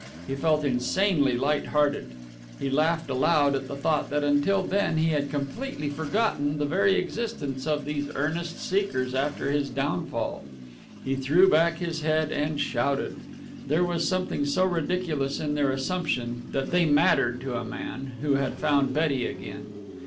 He felt insanely light hearted. He laughed aloud at the thought that until then he had completely forgotten the very existence of these earnest seekers after his downfall. He threw back his head and shouted. There was something so ridiculous in their assumption that they mattered to a man who had found Betty again.